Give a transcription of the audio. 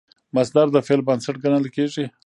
مصدر د فعل بنسټ ګڼل کېږي.